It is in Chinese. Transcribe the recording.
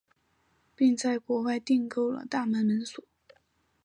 并在国外订购了大门门锁。